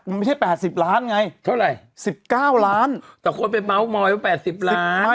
มันไม่ใช่แปดสิบล้านไงเท่าไรสิบเก้าล้านแต่ควรไปเมาส์มอยว่าแปดสิบล้าน